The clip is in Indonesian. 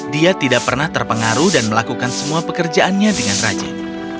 dia tidak pernah terpengaruh dan melakukan semua pekerjaannya dengan rajin